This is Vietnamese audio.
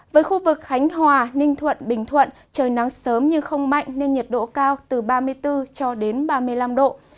với khu vực khánh hòa ninh thuận bình thuận trời nắng sớm nhưng không mạnh nên nhiệt độ cao từ ba mươi bốn cho đến ba mươi năm độ